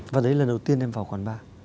và đấy là lần đầu tiên em vào quán bar